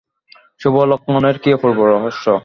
শুভলক্ষণের কী অপূর্ব রহস্য!